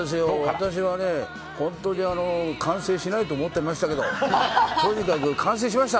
私はね、本当に完成しないと思ってましたけどとにかく完成しました。